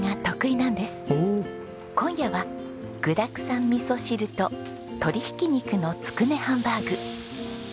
今夜は具だくさんみそ汁と鶏ひき肉のつくねハンバーグ。